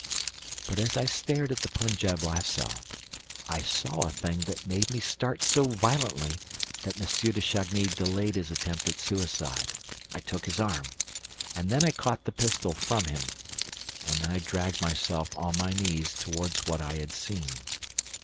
... But, as I stared at the Punjab lasso, I saw a thing that made me start so violently that M. de Chagny delayed his attempt at suicide. I took his arm. And then I caught the pistol from him ... and then I dragged myself on my knees toward what I had seen.